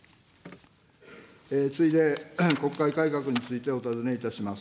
次いで、国会改革についてお尋ねいたします。